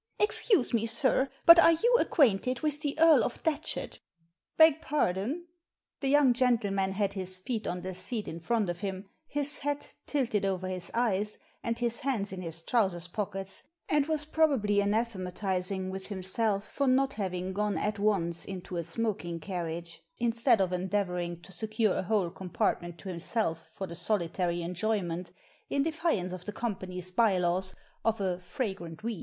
" Excuse me, sir, but are you acquainted with the Earl of Datchet?" Digitized by VjOOQIC 398 THE SEEN AND THE UNSEEN B^ pardon." The young gentleman had his feet on the seat in front of him, his hat tilted over his eyes, and his hands in his trousers pockets, and was probably anathematising himself for not having gone at once into a smoking carriage instead of endeavouring to secure a whole compartment to himself for the solitary enjoyment, in defiance of the company's by laws, of "a fragrant weed."